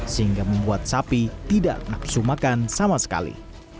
sehingga membuat sapi tidak nafsu makan sama sekali